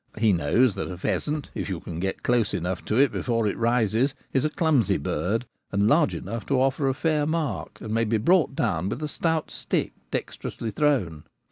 He knows that a pheasant, if you can get close enough to it before it rises, is a clumsy bird, and large enough to offer a fair mark, and may be brought down with a stout stick dexterously thrown.